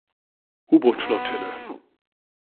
U-Boot Flottille.